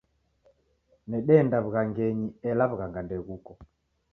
Nedeenda w'ughangenyi ela w'ughanga ndeghuko.